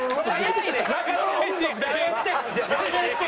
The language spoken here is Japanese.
やめて！